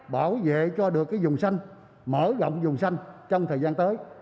bảo vệ cho được vùng xanh mở rộng vùng xanh trong thời gian tới